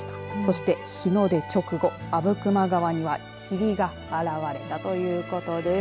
そして日の出直後、阿武隈川には霧が現れたということです。